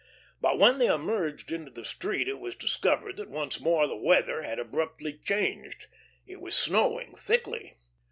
But when they emerged into the street, it was discovered that once more the weather had abruptly changed. It was snowing thickly.